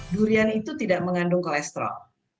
durian itu tidak mengandung kolesterol